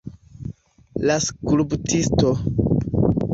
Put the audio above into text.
La skulptisto.